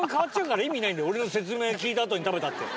俺の説明聞いたあとに食べたって。